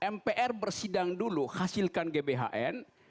mpr bersidang dulu hasilkan gbhn